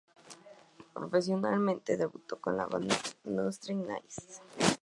Profesionalmente debutó con la banda Street Noise.